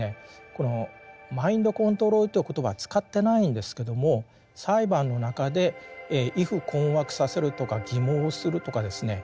このマインドコントロールという言葉使ってないんですけども裁判の中で畏怖困惑させるとか欺罔するとかですね